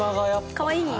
かわいい？